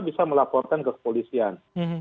bisa melaporkan kepolisian